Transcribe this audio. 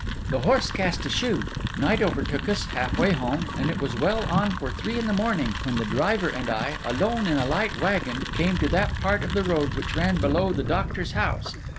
The horse cast a shoe; night overtook us halfway home; and it was well on for three in the morning when the driver and I, alone in a light waggon, came to that part of the road which ran below the doctor's house.